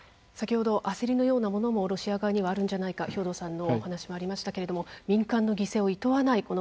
先ほど焦りのようなものもロシア側にあるんじゃないか兵頭さんのお話もありましたけれども民間の犠牲をいとわない